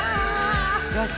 よし！